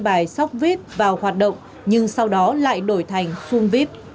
bài sóc vít vào hoạt động nhưng sau đó lại đổi thành xung vít